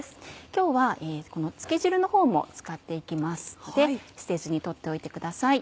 今日はこの漬け汁のほうも使って行きますので捨てずに取っておいてください。